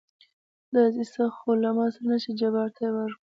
داسې څه خو له ما سره نشته چې جبار ته يې ورکړم.